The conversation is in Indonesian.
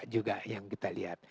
juga yang kita lihat